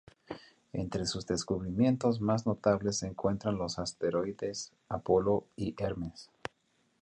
Entre sus descubrimientos más notables se encuentran los asteroides Apolo y Hermes.